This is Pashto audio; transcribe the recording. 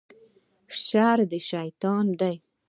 شر د شیطان دی